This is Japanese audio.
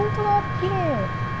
きれい。